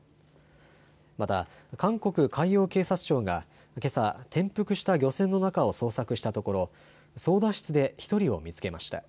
また、韓国海洋警察庁がけさ、転覆した漁船の中を捜索したところ操だ室で１人を見つけました。